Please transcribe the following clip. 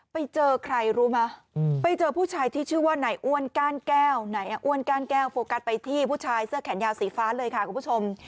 ไปเจอใครรู้ไหมไปเจอผู้ชายที่ชื่อว่าไหนอ้วนก้านแก้วไหนอ่ะอ้วนก้านแก้วโฟกัสไปที่ผู้ชายเสื้อแขนยาวสีฟ้าเลยค่ะคุณผู้ชม